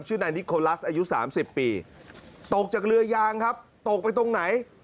นายนิโคลัสอายุ๓๐ปีตกจากเรือยางครับตกไปตรงไหน